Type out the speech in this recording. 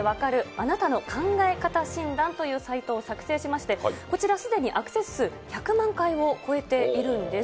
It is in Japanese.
あなたの考え方診断というサイトを作成しまして、こちら、すでにアクセス数１００万回を超えているんです。